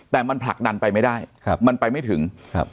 แต่มันผลักดันไปไม่ได้ครับมันไปไม่ถึงครับ